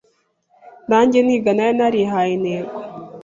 Nange niga nari narihaye intego